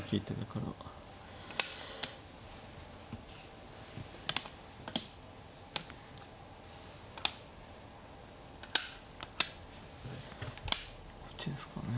こっちですかね。